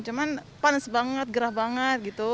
cuman panas banget gerah banget gitu